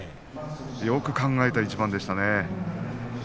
よく考えた一番でした。